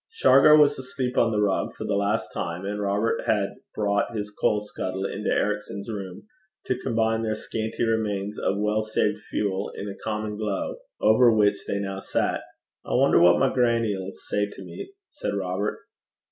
Shargar was asleep on the rug for the last time, and Robert had brought his coal scuttle into Ericson's room to combine their scanty remains of well saved fuel in a common glow, over which they now sat. 'I wonder what my grannie 'ill say to me,' said Robert.